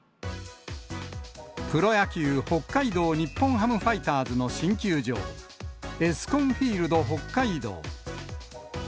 プロ野球・北海道日本ハムファイターズの新球場、エスコンフィールド北海道。